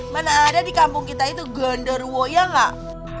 mana ada di kampung kita itu genderwo ya nggak